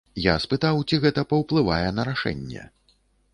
Я спытаў, ці гэта паўплывае на рашэнне?